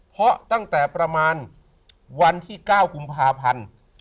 เพราะตั้งแต่ประมาณวันที่๙กุมภาพันธ์